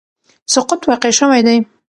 سقوط واقع شوی دی